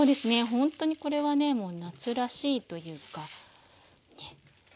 ほんとにこれはねもう夏らしいというかね。